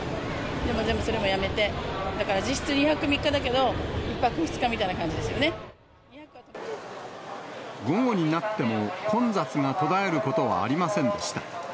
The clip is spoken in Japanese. でも全部それもやめて、だから実質２泊３日だけど、１泊２日みた午後になっても、混雑が途絶えることはありませんでした。